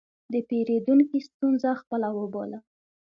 د پیرودونکي ستونزه خپله وبوله.